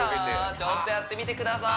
ちょっとやってみてください